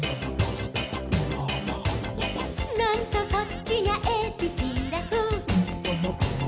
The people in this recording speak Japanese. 「なんとそっちにゃえびピラフ」